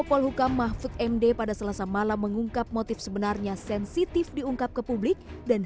polhukam mahfud md pada selasa malam mengungkap motif sebenarnya sensitif diungkap ke publik dan